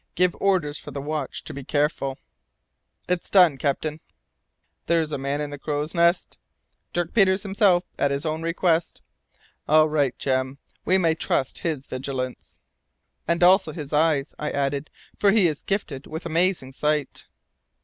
Give orders for the watch to be careful." "It's done, captain." "There is a man in the crow's nest?" "Dirk Peters himself, at his own request." "All right, Jem; we may trust his vigilance." "And also his eyes," I added, "for he is gifted with amazing sight."